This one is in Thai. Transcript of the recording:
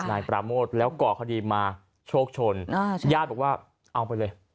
นายปราโมทแล้วก่อคดีมาโชคชนญาติบอกว่าเอาไปเลย